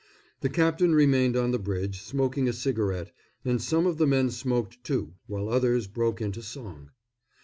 The captain remained on the bridge, smoking a cigarette, and some of the men smoked too, while others broke into song.